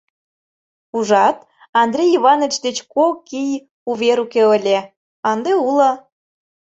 Ужат, Андрей Иваныч деч кок ий увер уке ыле, а ынде уло.